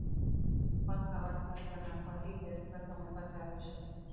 mpaka wa sasa na kwa hivyo sasa umepata rusha